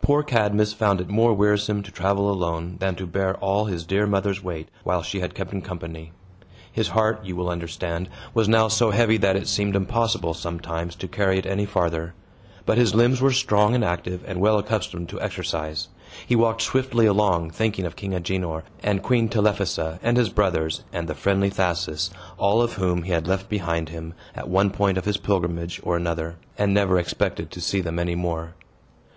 Poor Cadmus found it more wearisome to travel alone than to bear all his dear mother's weight, while she had kept him company. His heart, you will understand, was now so heavy that it seemed impossible, sometimes, to carry it any farther. But his limbs were strong and active, and well accustomed to exercise. He walked swiftly along, thinking of King Agenor and Queen Telephassa, and his brothers, and the friendly Thasus, all of whom he had left behind him, at one point of his pilgrimage or another, and never expected to see them any more.